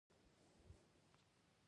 مهارت انسان ته باور ورکوي.